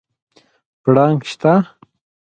پړانګ شته؟